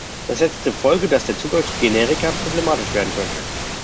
Das hätte zur Folge, dass der Zugang zu Generika problematisch werden könnte.